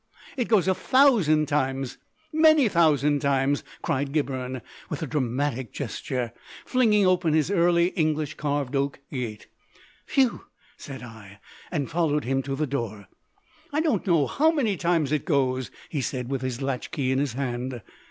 "It goes a thousand times, many thousand times!" cried Gibberne, with a dramatic gesture, flinging open his Early English carved oak gate. "Phew!" said I, and followed him to the door. "I don't know how many times it goes," he said, with his latch key in his hand.